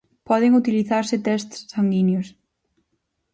Poden utilizarse tests sanguíneos